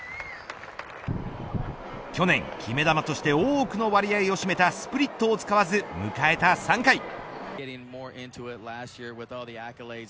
去年決め球として多くの割合を占めたスプリットを使わず迎えた３回。